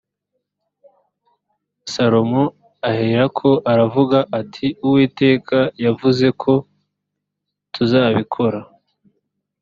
salomo aherako aravuga ati uwiteka yavuze ko tuzabikora